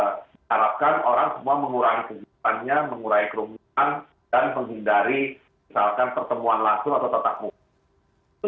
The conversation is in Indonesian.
salah satunya karena diharapkan orang semua mengurangi kegiatannya mengurai kerumunan dan menghindari misalkan pertemuan langsung atau tetap mumpung